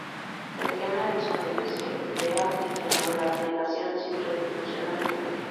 El tema del soneto es el ideal cristiano de la abnegación sin retribución alguna.